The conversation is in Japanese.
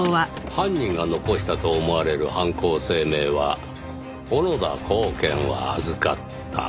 犯人が残したと思われる犯行声明は「小野田公顕は預かった」。